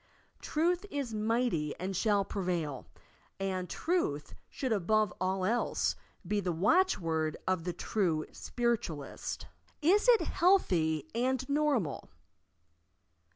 "Truth is mighty and shall prevail," and Truth should above all else be the watch word of the true Spiritualist, IS IT HEALTHY AND NORMAL!